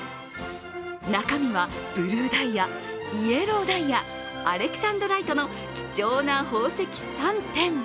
中身は、ブルーダイヤ、イエローダイヤ、アレキサンドライトの貴重な宝石３点。